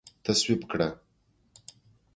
تصویب کړه